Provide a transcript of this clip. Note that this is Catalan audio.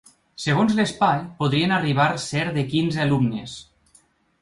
Segons l’espai, podrien arribar ser de quinze alumnes.